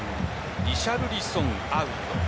リシャルリソン、アウト。